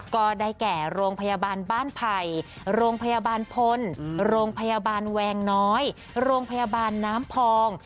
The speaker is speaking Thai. ก็ได้แก่โรงพยาบาลบ้านไผ่โรงพยาบาลพลโรงพยาบาลแวงน้อยโรงพยาบาลน้ำพอง